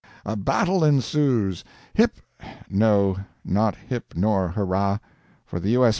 a battle ensues; hip—no, not hip nor hurrah—for the U. S.